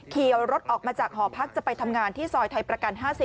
ขี่รถออกมาจากหอพักจะไปทำงานที่ซอยไทยประกัน๕๐